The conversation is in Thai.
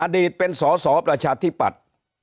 อดีตเป็นสอสอประชาธิปัตย์